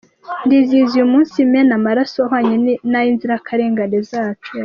Ndizihiza uyu munsi mena amaraso ahwanye n’ay’inzirakarengane zacu.